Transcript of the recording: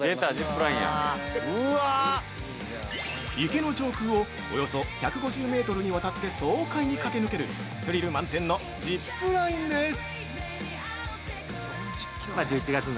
◆池の上空をおよそ１５０メートルにわたって爽快に駆け抜けるスリル満点のジップラインです。